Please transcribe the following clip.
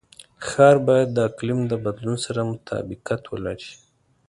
ښار باید د اقلیم د بدلون سره مطابقت ولري.